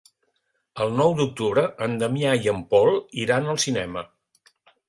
El nou d'octubre en Damià i en Pol iran al cinema.